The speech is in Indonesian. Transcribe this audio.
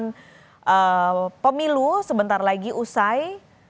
pemenang pemilu sebentar lagi usai